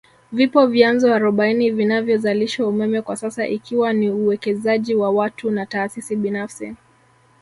Vipo vyanzo arobaini vinavyozalisha umeme kwasasa ikiwa ni uwekezaji wa watu na taasisi binafsi